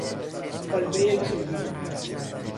کلبهی چوبی